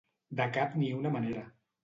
De cap ni una manera.